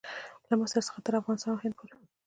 له مصر څخه تر افغانستان او هند پورې.